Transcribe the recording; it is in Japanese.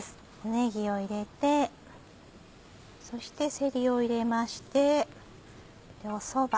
ねぎを入れてそしてせりを入れましてそば。